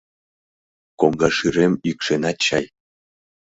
— Коҥга шӱрем йӱкшенат чай.